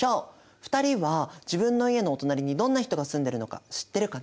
２人は自分の家のお隣にどんな人が住んでるのか知ってるかな？